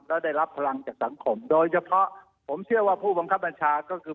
และได้รับพลังจากสังคมโดยเฉพาะผมเชื่อว่าผู้บังคับบัญชาก็คือ